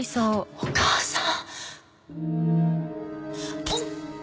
お母さん！